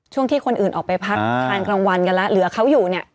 ที่คนอื่นออกไปพักทานกลางวันกันแล้วเหลือเขาอยู่เนี่ย